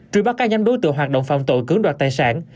truy bắt cao nhanh đối tượng hoạt động phạm tội cứng đoạt tài sản